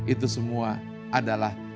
itu semua adalah